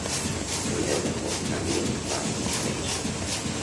El deu d'agost na Lia va a Puig-reig.